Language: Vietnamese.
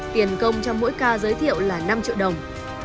tiền công cho mỗi ca giới thiệu là năm triệu đồng